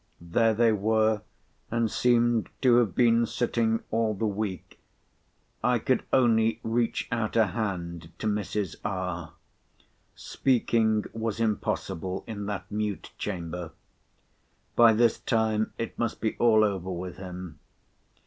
There they were, and seemed to have been sitting all the week. I could only reach out a hand to Mrs. R. Speaking was impossible in that mute chamber. By this time it must be all over with him.